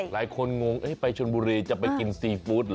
งงไปชนบุรีจะไปกินซีฟู้ดเหรอ